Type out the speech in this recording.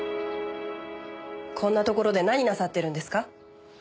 こんなところで何なさってるんですか？